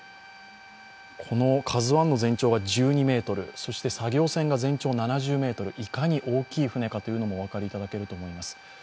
この「ＫＡＺＵⅠ」の全長が１２ｍ、そして作業船が全長７０ｍいかに大きい船かというのもお分かりいただけると思います。